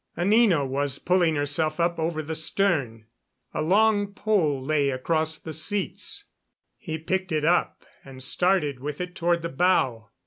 Anina was pulling herself up over the stern. A long pole lay across the seats. He picked it up and started with it toward the bow.